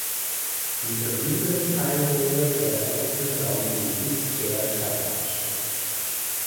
Die verbliebenen Teilnehmer erreichten dann die "Six Chair Challenge".